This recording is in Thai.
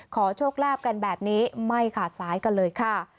ขอโชคลาภกันแบบนี้ไม่ขาดสายกันเลยค่ะ